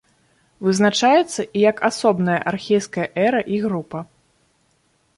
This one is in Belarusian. Вызначаецца і як асобная архейская эра і група.